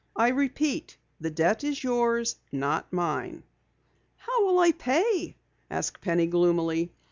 I repeat, the debt is yours, not mine." "How will I pay?" asked Penny gloomily.